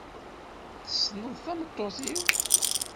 Tessneḍ tameṭṭut-iw?